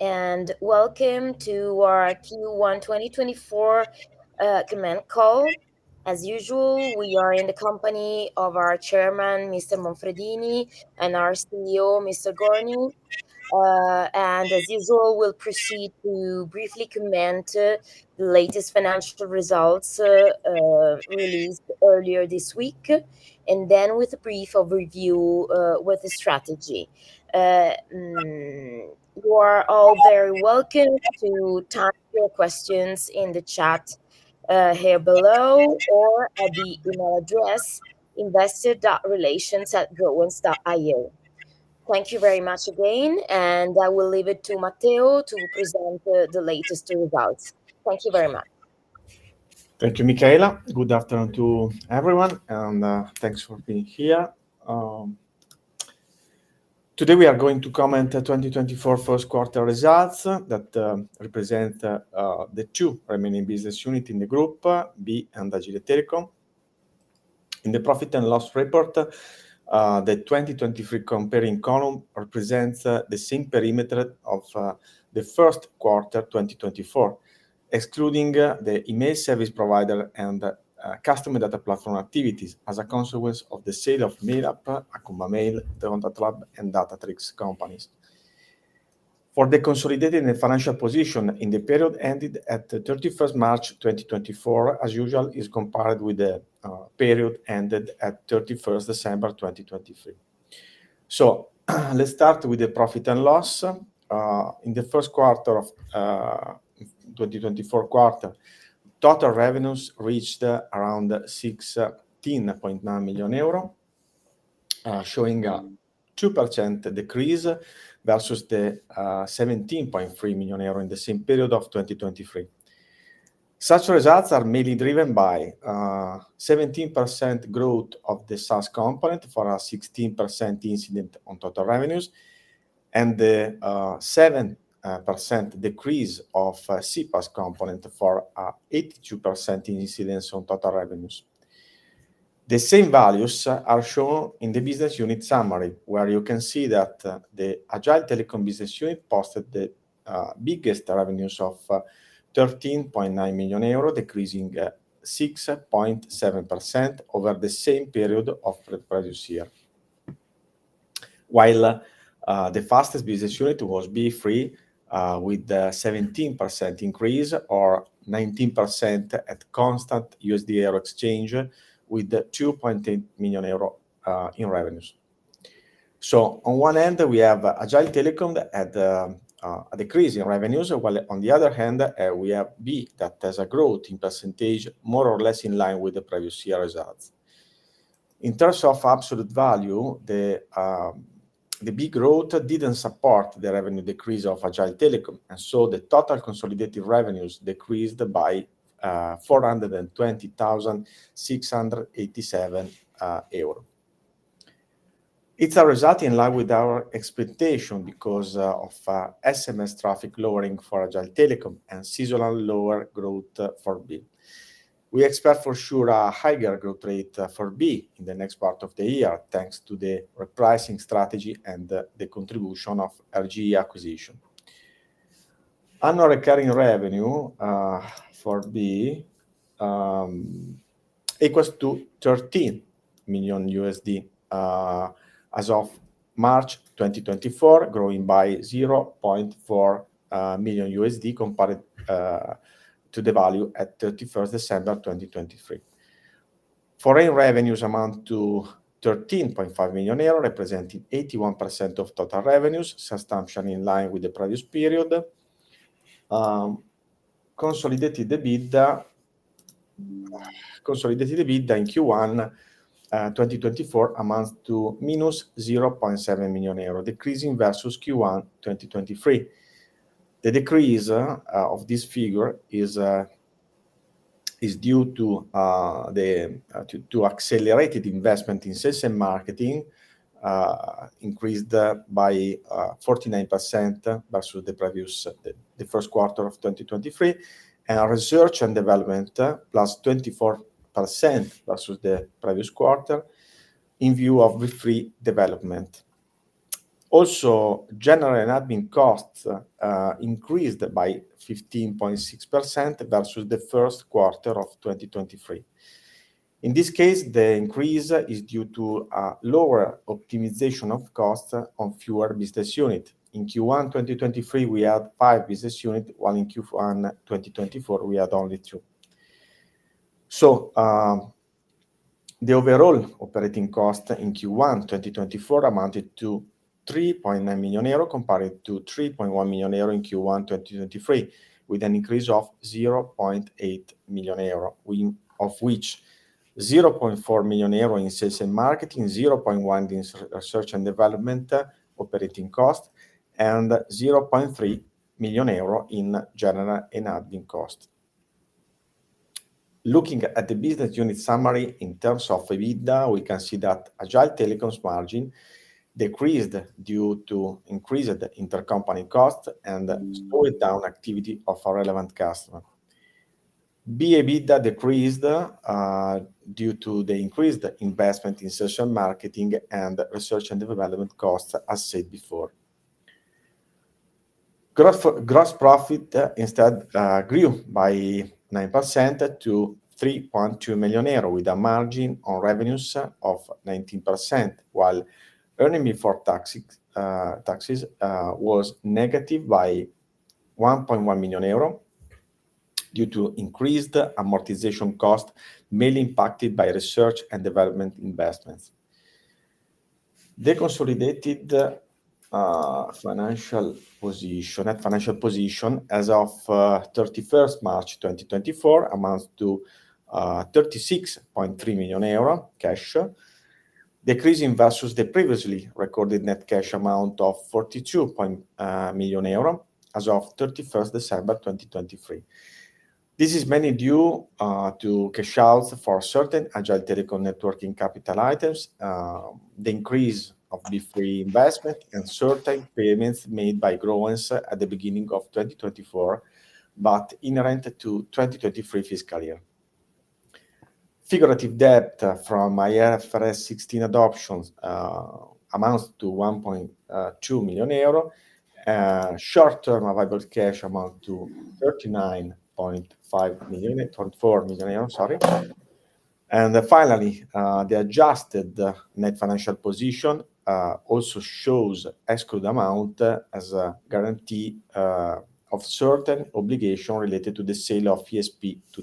Welcome to our Q1 2024 earnings call. As usual, we are in the company of our chairman, Mr. Monfredini, and our CEO, Mr. Gorni. And as usual, we'll proceed to briefly comment the latest financial results, released earlier this week, and then with a brief overview with the strategy. You are all very welcome to type your questions in the chat here below, or at the email address investor.relations@growens.it. Thank you very much again, and I will leave it to Matteo to present the latest results. Thank you very much. Thank you, Micaela. Good afternoon to everyone, and thanks for being here. Today we are going to comment the 2024 first quarter results, that represent the two remaining business unit in the group, BE and Agile Telecom. In the profit and loss report, the 2023 comparing column represents the same perimeter of the first quarter 2024, excluding the email service provider and customer data platform activities as a consequence of the sale of MailUp, Acumbamail, the Contactlab, and Datatrics companies. For the consolidated and financial position in the period ended at the 31st of March, 2024, as usual, is compared with the period ended at 31st December, 2023. So let's start with the profit and loss. In the first quarter of 2024 quarter, total revenues reached around 16.9 million euro, showing a 2% decrease versus the 17.3 million euro in the same period of 2023. Such results are mainly driven by 17% growth of the SaaS component, for a 16% incidence on total revenues, and the 7% decrease of CPaaS component for 82% incidence on total revenues. The same values are shown in the business unit summary, where you can see that the Agile Telecom business unit posted the biggest revenues of 13.9 million euro, decreasing 6.7% over the same period of the previous year. While the fastest business unit was Beefree with a 17% increase, or 19% at constant USD exchange, with the 2.8 million euro in revenues. So on one end, we have Agile Telecom that had a decrease in revenues, while on the other hand, we have Beefree that has a growth in percentage, more or less in line with the previous year results. In terms of absolute value, the Beefree growth didn't support the revenue decrease of Agile Telecom, and so the total consolidated revenues decreased by 420,687 euro. It's a result in line with our expectation because of SMS traffic lowering for Agile Telecom, and seasonal lower growth for Beefree. We expect for sure a higher growth rate for BE in the next part of the year, thanks to the repricing strategy and the contribution of RGEacquisition. Annual recurring revenue for BE equals $13 million as of March 2024, growing by $0.4 million compared to the value at 31 December 2023. Foreign revenues amount to 13.5 million euro, representing 81% of total revenues, substantially in line with the previous period. Consolidated EBITDA in Q1 2024 amounts to -0.7 million euro, decreasing versus Q1 2023. The decrease of this figure is due to the accelerated investment in sales and marketing, increased by 49% versus the previous... The first quarter of 2023, and our research and development, +24% versus the previous quarter in view of the Beefree development. Also, general and admin costs increased by 15.6% versus the first quarter of 2023. In this case, the increase is due to lower optimization of costs on fewer business units. In Q1, 2023, we had 5 business units, while in Q1, 2024, we had only 2. The overall operating cost in Q1, 2024, amounted to 3.9 million euro, compared to 3.1 million euro in Q1, 2023, with an increase of 0.8 million euro, of which 0.4 million euro in sales and marketing, 0.1 million in research and development operating cost, and 0.3 million euro in general and admin cost. Looking at the business unit summary in terms of EBITDA, we can see that Agile Telecom's margin decreased due to increased intercompany costs and slowed down activity of our relevant customer, Beefree that decreased due to the increased investment in social marketing and research and development costs, as said before. Gross profit instead grew by 9% to 3.2 million euro, with a margin on revenues of 19%, while earnings before taxes was negative by 1.1 million euro due to increased amortization cost, mainly impacted by research and development investments. The consolidated financial position, net financial position as of thirty-first March 2024, amounts to 36.3 million euro cash, decreasing versus the previously recorded net cash amount of 42 million euro as of thirty-first December 2023. This is mainly due to cash out for certain Agile Telecom net working capital items, the increase of the Beefree investment, and certain payments made by Growens at the beginning of 2024, but inherent to 2023 fiscal year. Financial debt from IFRS 16 adoption amounts to EUR 1.2 million. Short-term available cash amount to 39.5 million EUR, 4 million EUR, sorry. And finally, the adjusted net financial position also shows excluded amount as a guarantee of certain obligations related to the sale of ESP to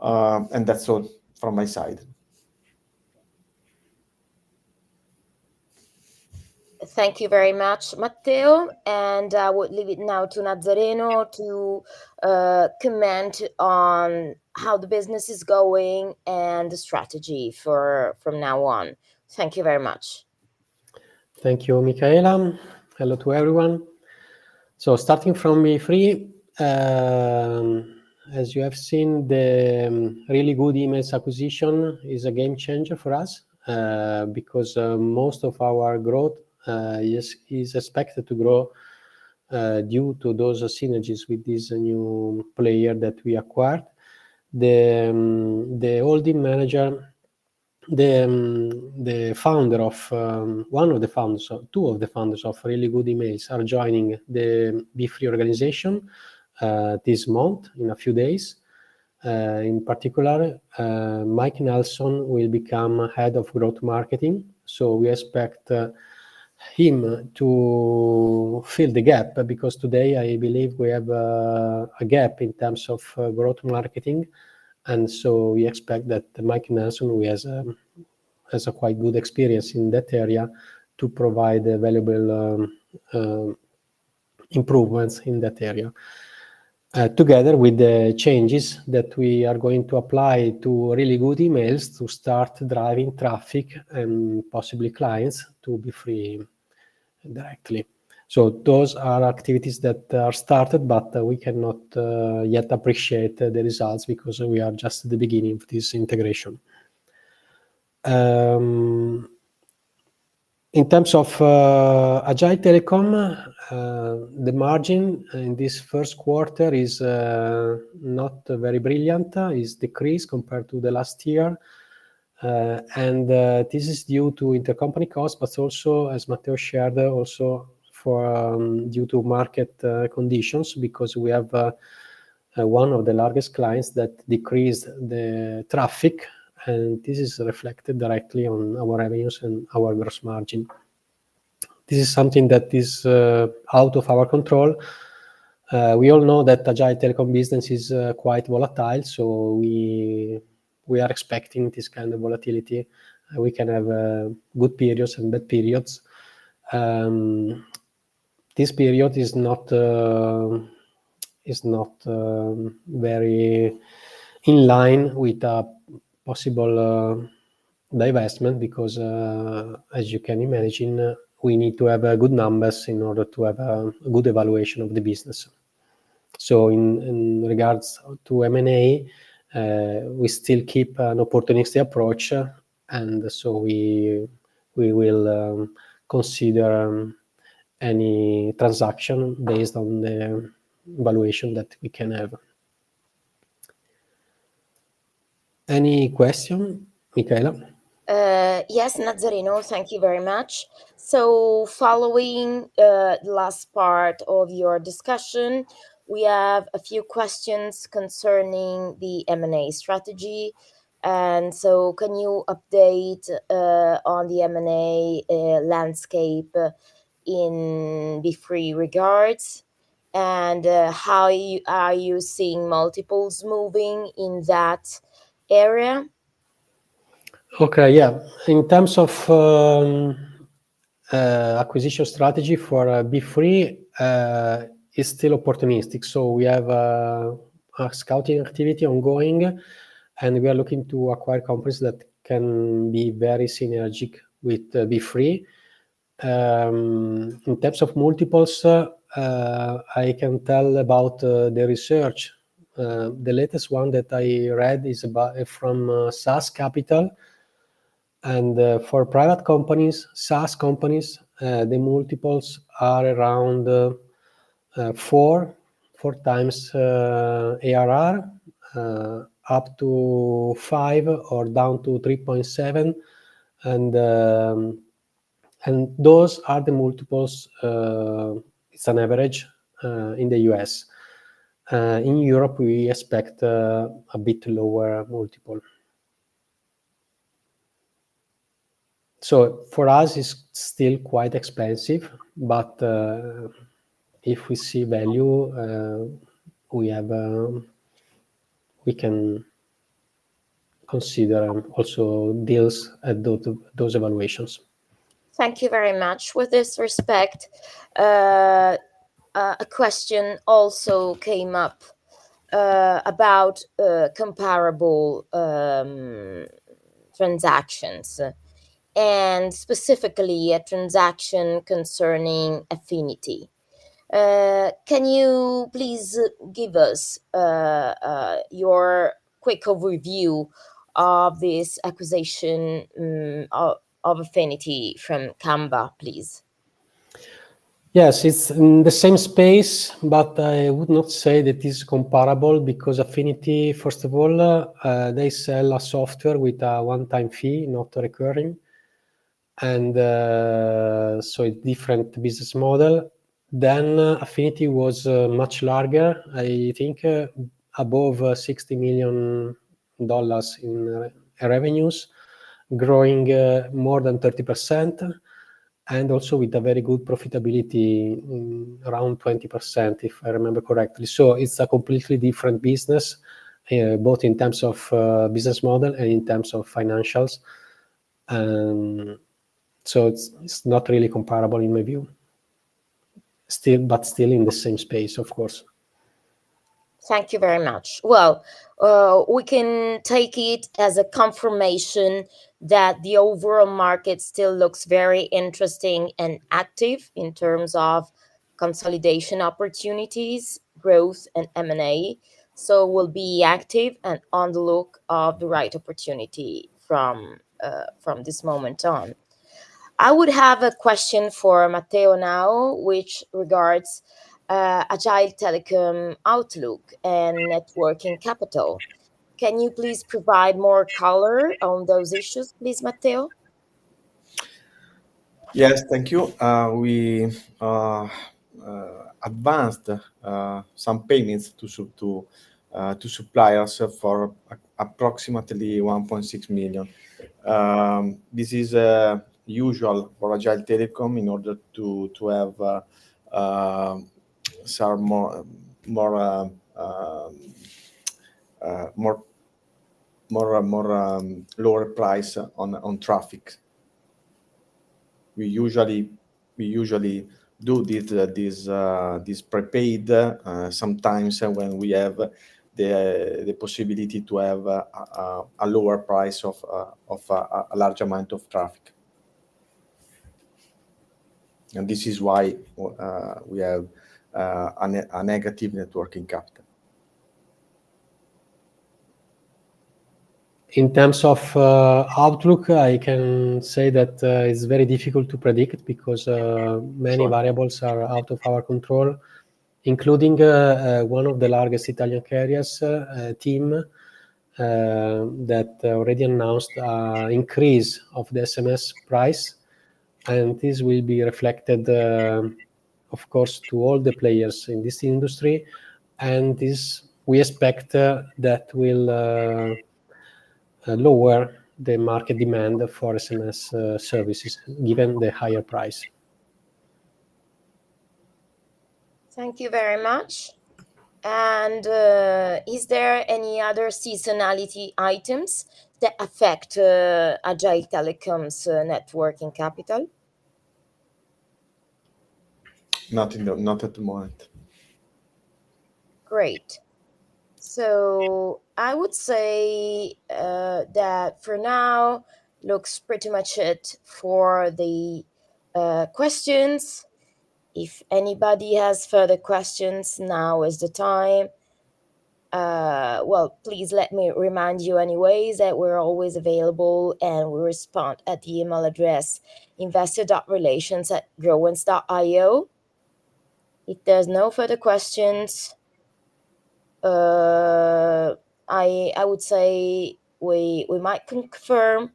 TeamSystem. And that's all from my side. Thank you very much, Matteo, and I will leave it now to Nazzareno to comment on how the business is going and the strategy for from now on. Thank you very much. Thank you, Micaela. Hello to everyone. Starting from Beefree, as you have seen, the Really Good Emails acquisition is a game changer for us, because most of our growth is expected to grow due to those synergies with this new player that we acquired. Two of the founders of Really Good Emails are joining the Beefree organization this month, in a few days. In particular, Mike Nelson will become Head of Growth Marketing, so we expect him to fill the gap, because today I believe we have a gap in terms of growth marketing. And so we expect that Mike Nelson, who has a quite good experience in that area, to provide valuable improvements in that area. Together with the changes that we are going to apply to Really Good Emails to start driving traffic and possibly clients to Beefree directly. So those are activities that are started, but we cannot yet appreciate the results because we are just at the beginning of this integration. In terms of Agile Telecom, the margin in this first quarter is not very brilliant. It's decreased compared to the last year. This is due to intercompany costs, but also, as Matteo shared, also for due to market conditions, because we have one of the largest clients that decreased the traffic, and this is reflected directly on our revenues and our gross margin. This is something that is out of our control. We all know that Agile Telecom business is quite volatile, so we are expecting this kind of volatility. We can have good periods and bad periods. This period is not very in line with a possible divestment because as you can imagine, we need to have good numbers in order to have a good evaluation of the business. So in regards to M&A, we still keep an opportunistic approach, and so we will consider any transaction based on the valuation that we can have. Any question, Micaela? Yes, Nazzareno, thank you very much. So following the last part of your discussion, we have a few questions concerning the M&A strategy, and so can you update on the M&A landscape in Beefree regards, and how are you seeing multiples moving in that area? Okay. Yeah. In terms of, acquisition strategy for, Beefree, is still opportunistic. So we have a scouting activity ongoing, and we are looking to acquire companies that can be very synergic with Beefree. In terms of multiples, I can tell about, the research. The latest one that I read is about... from, SaaS Capital-... and, for private companies, SaaS companies, the multiples are around, 4.4x ARR, up to 5x or down to 3.7x. And, those are the multiples, it's an average, in the U.S. In Europe, we expect, a bit lower multiple. So for us, it's still quite expensive, but, if we see value, we have, we can consider also deals at those evaluations. Thank you very much. With this respect, a question also came up about comparable transactions, and specifically a transaction concerning Affinity. Can you please give us your quick overview of this acquisition of Affinity from Canva, please? Yes, it's in the same space, but I would not say that it's comparable, because Affinity, first of all, they sell a software with a one-time fee, not recurring, and, so a different business model. Then Affinity was, much larger, I think, above $60 million in revenues, growing more than 30%, and also with a very good profitability, around 20%, if I remember correctly. So it's a completely different business, both in terms of business model and in terms of financials. So it's, it's not really comparable in my view, still, but still in the same space, of course. Thank you very much. Well, we can take it as a confirmation that the overall market still looks very interesting and active in terms of consolidation opportunities, growth, and M&A, so we'll be active and on the look of the right opportunity from, from this moment on. I would have a question for Matteo now, which regards Agile Telecom outlook and net working capital. Can you please provide more color on those issues, please, Matteo? Yes, thank you. We advanced some payments to suppliers for approximately 1.6 million. This is usual for Agile Telecom in order to have some more lower price on traffic. We usually do this prepaid sometimes when we have the possibility to have a lower price of a large amount of traffic. And this is why we have a negative net working capital. In terms of outlook, I can say that it's very difficult to predict because many variables are out of our control, including one of the largest Italian carriers, TIM, that already announced a increase of the SMS price, and this will be reflected, of course, to all the players in this industry. And this, we expect, that will lower the market demand for SMS services, given the higher price. Thank you very much. And, is there any other seasonality items that affect Agile Telecom's net working capital? Not in the... Not at the moment. Great. So I would say, that for now, looks pretty much it for the questions. If anybody has further questions, now is the time. Well, please let me remind you anyways, that we're always available, and we respond at the email address investor.relations@growens.io. If there's no further questions, I would say we might confirm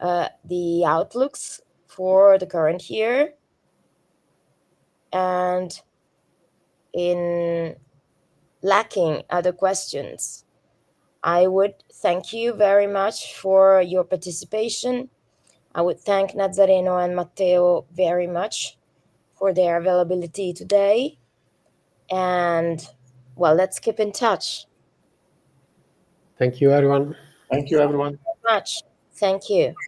the outlooks for the current year. And in lacking other questions, I would thank you very much for your participation. I would thank Nazzareno and Matteo very much for their availability today, and, well, let's keep in touch. Thank you, everyone. Thank you, everyone. Thank you very much. Thank you.